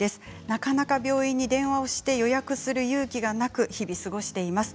なかなか病院に電話をして予約をする勇気がなく日々、過ごしています。